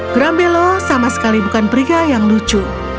grambelo sama sekali bukan pria yang lucu